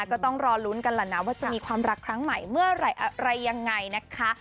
ก็ต้องรอลุ้นกันแหละนะว่าจะมีความรักครั้งใหม่เมื่อไหร่อะไรยังไงนะคะ